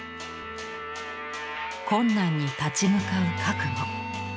困難に立ち向かう覚悟。